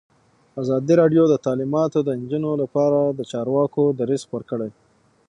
ازادي راډیو د تعلیمات د نجونو لپاره لپاره د چارواکو دریځ خپور کړی.